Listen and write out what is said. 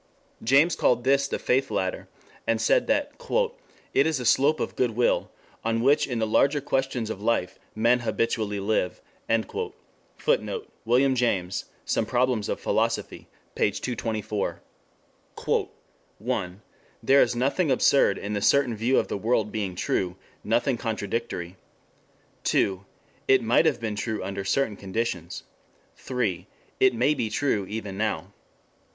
James called this the faith ladder, and said that "it is a slope of goodwill on which in the larger questions of life men habitually live." [Footnote: William James, Some Problems of Philosophy, p. 224.] "1. There is nothing absurd in a certain view of the world being true, nothing contradictory; 2. It might have been true under certain conditions; 3. It may be true even now; 4.